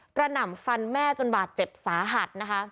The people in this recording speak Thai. หน่ำฟันแม่จนบาดเจ็บสาหัสนะคะ